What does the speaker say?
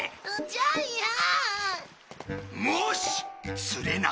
ジャイアン？